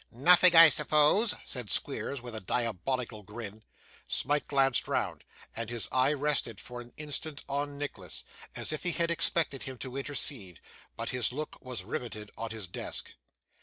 'Nothing, I suppose?' said Squeers, with a diabolical grin. Smike glanced round, and his eye rested, for an instant, on Nicholas, as if he had expected him to intercede; but his look was riveted on his desk.